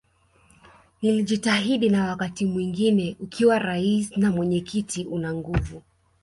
Nilijitahidi na wakati mwingine ukiwa Rais na mwenyekiti una nguvu